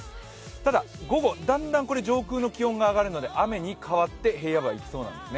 ただ午後、だんだん上空の気温が上がるので、雨に変わって平野部はいきそうなんですね。